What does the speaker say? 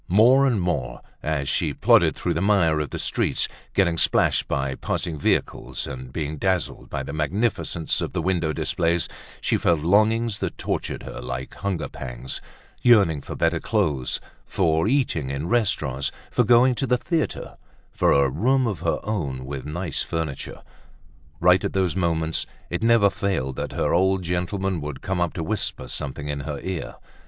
More and more, as she plodded through the mire of the streets, getting splashed by passing vehicles and being dazzled by the magnificence of the window displays, she felt longings that tortured her like hunger pangs, yearnings for better clothes, for eating in restaurants, for going to the theatre, for a room of her own with nice furniture. Right at those moments, it never failed that her old gentleman would come up to whisper something in her ear.